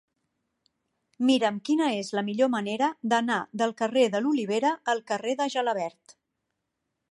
Mira'm quina és la millor manera d'anar del carrer de l'Olivera al carrer de Gelabert.